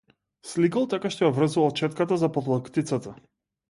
Сликал така што ја врзувал четката за подлактицата.